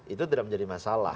itu tidak menjadi masalah